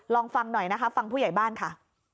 ลองฟังหน่อยนะคะฟังผู้ใหญ่บ้านค่ะ